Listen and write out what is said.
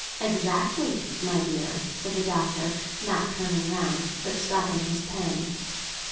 "Exactly, my dear," said the Doctor, not turning round, but stopping his pen.